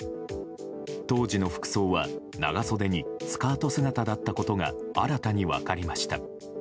当時の服装は長袖にスカート姿だったことが新たに分かりました。